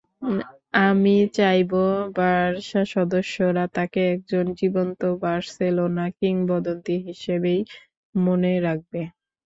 আমি চাইব, বার্সা সদস্যরা তাকে একজন জীবন্ত বার্সেলোনা কিংবদন্তি হিসেবেই মনে রাখবে।